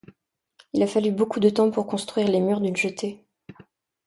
Il a fallu beaucoup de temps pour construire les murs d'une jetée.